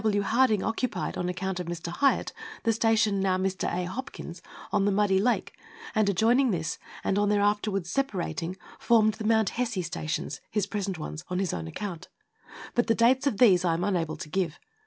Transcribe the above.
W. Harding occupied, on account of Mr. Highett, the station (now Mr. A. Hopkins's) on the Muddy Lake and adjoining this, and on their afterwards separating formed the Mount Hesse stations (his present ones) on his own account, but the dates of these I am unable to give.